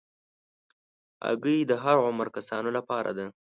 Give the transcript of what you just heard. هګۍ د هر عمر کسانو لپاره ده.